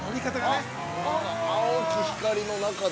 ◆青き光の中で。